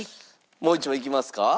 もう１問いきますか？